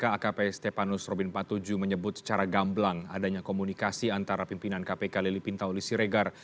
akp stepanus robin empat puluh tujuh menyebut secara gamblang adanya komunikasi antara pimpinan kpk lili pintauli siregar